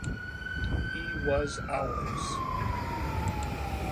He was ours.